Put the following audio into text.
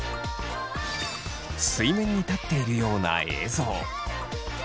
水面に立っているような映像。